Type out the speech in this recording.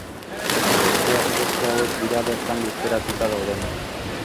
Besteak beste hauek dira bertan lurperatuta daudenak.